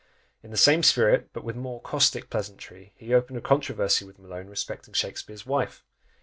In the same spirit, but with more caustic pleasantry, he opened a controversy with Malone respecting Shakspeare's wife!